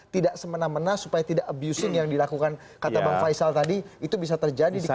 tidak semena mena supaya tidak abusing yang dilakukan kata bang faisal tadi itu bisa terjadi di kpk